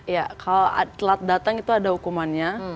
iya kalau telat dateng itu ada hukumannya